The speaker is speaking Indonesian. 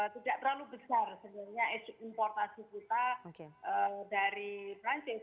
tidak terlalu besar sebenarnya ekspor importasi kita dari perancis